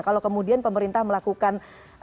kalau kemudian pemerintah melakukan